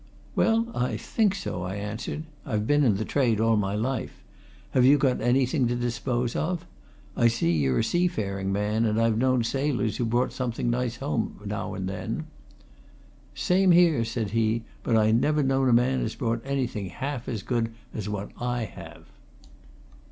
"Well I think so," I answered. "I've been in the trade all my life. Have you got anything to dispose of? I see you're a seafaring man, and I've known sailors who brought something nice home now and then." "Same here," said he; "but I never known a man as brought anything half as good as what I have."